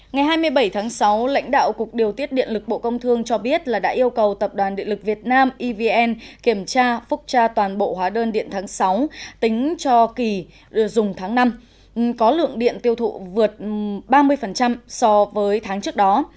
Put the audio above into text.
ngày hai mươi bảy tháng sáu lãnh đạo cục điều tiết điện lực bộ công thương cho biết là đã yêu cầu tập đoàn điện lực việt nam evn kiểm tra phúc tra toàn bộ hóa đơn điện tháng sáu tính cho kỳ dùng tháng năm có lượng điện tiêu thụ vượt ba mươi so với tháng trước đó